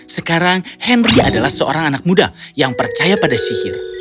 sekarang henry adalah seorang anak muda yang percaya pada sihir